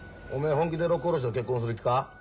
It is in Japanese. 本気で六甲おろしと結婚する気か？